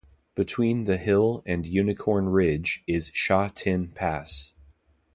Between the hill and Unicorn Ridge is Sha Tin Pass.